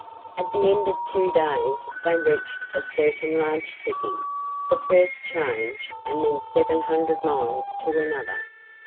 At the end of two days they reached a certain large city, the first change, and then seven hundred miles to another.